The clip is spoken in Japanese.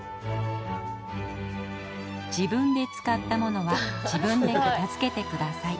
「自分で使った物は自分で片付けてください」。